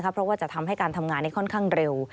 เพราะว่าจะทำให้การทำงานนี้ค่อนข้างเร็ว